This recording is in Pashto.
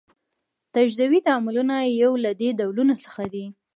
تجزیوي تعاملونه یو له دې ډولونو څخه دي.